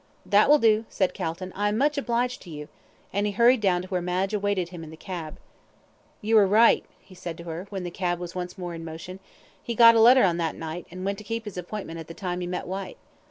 "That will do," said Calton; "I am much obliged to you," and he hurried down to where Madge awaited him in the cab. "You were right," he said to her, when the cab was once more in motion. "He got a letter on that night, and went to keep his appointment at the time he met Whyte."